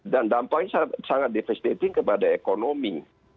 dan dampaknya sangat devastating kepada ekonomi